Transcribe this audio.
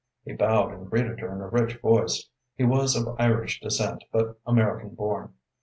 He bowed and greeted her in a rich voice. He was of Irish descent but American born.